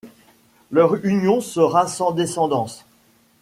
Leur union sera sans descendance.